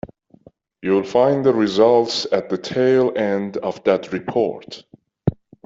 You'll find the results at the tail end of that report.